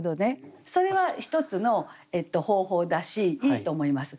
それは一つの方法だしいいと思います。